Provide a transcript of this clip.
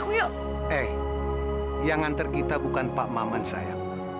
jagain nona ya